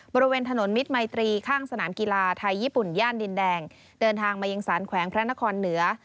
บริเวณถนนมิตรมัยตรีข้างสนามกีฬาไทยญี่ปุ่นย่านดินแดงเดินทางมายังสารแขวงพระนครเหนือ